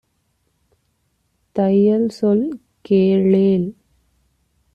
தையல் சொல் கேளேல்.